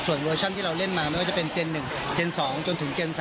เวอร์ชั่นที่เราเล่นมาไม่ว่าจะเป็นเจน๑เจน๒จนถึงเจน๓